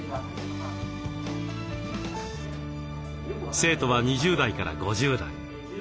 生徒は２０代から５０代。